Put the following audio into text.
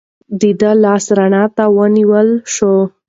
د ده لاس رڼا ته ونیول شو.